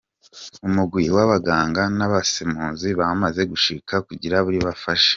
Umugwi w'abaganga n'abasemuzi bamaze gushika kugira bafashe.